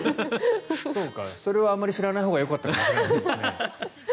それはあまり知らないほうがよかったかもしれない。